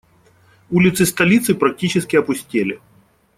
Улицы столицы практически опустели.